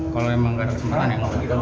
kalau emang gak ada kesempatan ya